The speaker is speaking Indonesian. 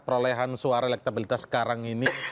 perolehan suara elektabilitas sekarang ini